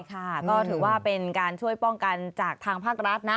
ค่ะก็ถือว่าเป็นการช่วยป้องกันจากทางภาครัฐนะ